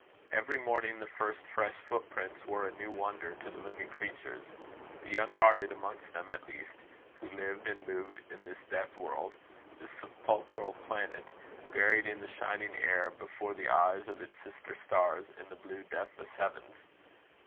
Every morning, the first fresh footprints were a new wonder to the living creatures, the young hearted amongst them at least, who lived and moved in this death world, this sepulchral planet, buried in the shining air before the eyes of its sister stars in the blue, deathless heavens.